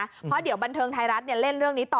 เพราะเดี๋ยวบันเทิงไทยรัฐเล่นเรื่องนี้ต่อ